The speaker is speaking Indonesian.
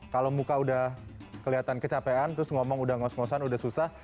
kalau muka sudah kelihatan kecapean terus ngomong sudah ngos ngosan sudah susah